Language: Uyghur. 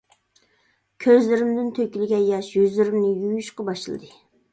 كۆزلىرىمدىن تۆكۈلگەن ياش يۈزلىرىمنى يۇيۇشقا باشلىدى.